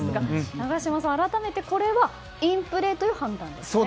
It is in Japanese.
永島さん、改めてこれはインプレーという判断ですね。